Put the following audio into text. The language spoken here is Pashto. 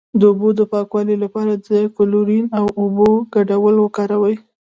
د اوبو د پاکوالي لپاره د کلورین او اوبو ګډول وکاروئ